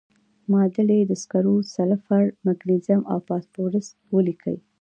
معادلې د سکرو، سلفر، مګنیزیم او فاسفورس ولیکئ.